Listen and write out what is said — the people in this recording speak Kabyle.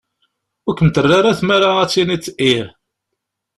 Ur kem-terra ara tmara ad tiniḍ ih.